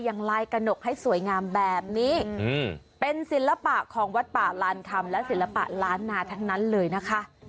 ลายกระหนกให้สวยงามแบบนี้เป็นศิลปะของวัดป่าลานคำและศิลปะล้านนาทั้งนั้นเลยนะคะ